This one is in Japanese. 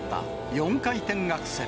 ４回転アクセル。